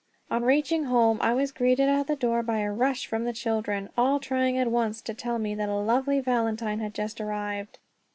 On reaching home I was greeted at the door by a rush from the children, all trying at once to tell me that a lovely valentine had just arrived.